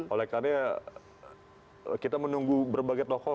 oleh karena kita menunggu berbagai tokoh